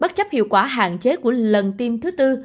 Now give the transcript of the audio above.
bất chấp hiệu quả hạn chế của lần tiêm thứ tư